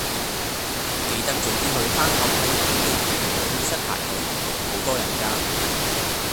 記得早啲去坑口體育館嘅兒童遊戲室排隊，好多人㗎。